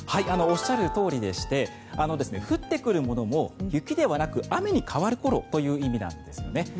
おっしゃるとおりでして降ってくるものも雪ではなく雨に変わる頃という意味なんですよね。